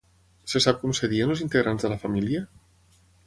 Se sap com es deien els integrants de la família?